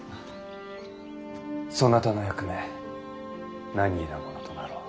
そなたの役目難儀なものとなろう。